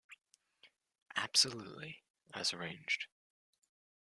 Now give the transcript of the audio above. Absolutely as arranged.